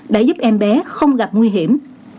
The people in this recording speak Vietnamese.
đã giúp em bé không gặp nguy hiểm